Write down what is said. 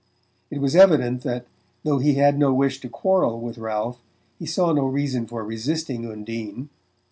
It was evident that, though he had no wish to quarrel with Ralph, he saw no reason for resisting Undine.